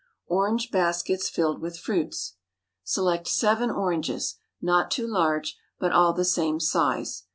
Orange Baskets Filled with Fruits. Select seven oranges, not too large, but all the same size.